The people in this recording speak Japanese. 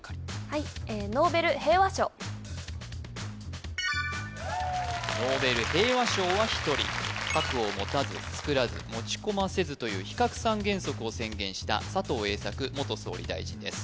はいノーベルノーベル平和賞は１人「核を持たず作らず持ち込ませず」という非核三原則を宣言した佐藤栄作元総理大臣です